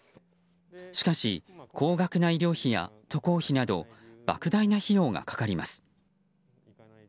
しかし、高額な医療費や渡航費など莫大な費用がかかります。